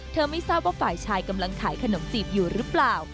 ไม่ทราบว่าฝ่ายชายกำลังขายขนมจีบอยู่หรือเปล่า